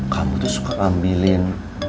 kamu tuh suka ambilin